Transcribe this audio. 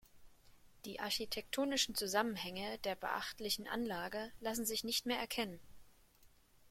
Die architektonischen Zusammenhänge der beachtlichen Anlage lassen sich nicht mehr erkennen.